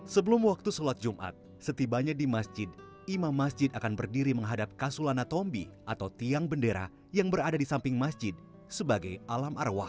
sebelum waktu sholat jumat setibanya di masjid imam masjid akan berdiri menghadap kasulana tombi atau tiang bendera yang berada di samping masjid sebagai alam arwah